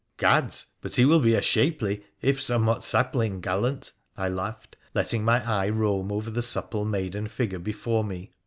' Gads ! but he will be a shapely, if somewhat sapling gallant,' I laughed, letting my eye roam over the supple maiden figure before me.